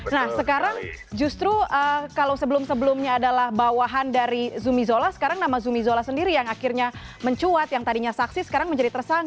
nah sekarang justru kalau sebelum sebelumnya adalah bawahan dari zumi zola sekarang nama zumi zola sendiri yang akhirnya mencuat yang tadinya saksi sekarang menjadi tersangka